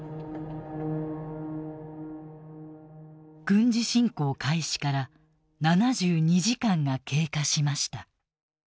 軍事侵攻開始から７２時間が経過しました。